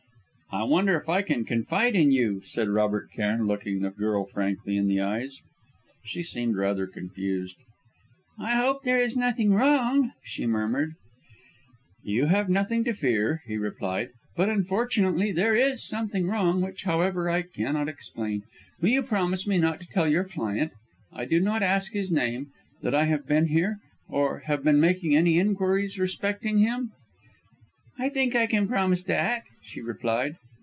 "I wonder if I can confide in you," said Robert Cairn, looking the girl frankly in the eyes. She seemed rather confused. "I hope there is nothing wrong," she murmured. "You have nothing to fear," he replied, "but unfortunately there is something wrong, which, however, I cannot explain. Will you promise me not to tell your client I do not ask his name that I have been here, or have been making any inquiries respecting him?" "I think I can promise that," she replied.